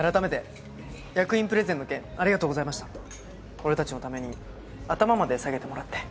俺たちのために頭まで下げてもらって。